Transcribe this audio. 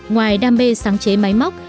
ngoài đam mê sáng chế máy móc